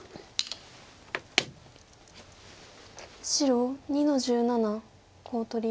白２の十七コウ取り。